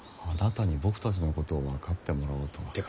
あなたに僕たちのことを分かってもらおうとは。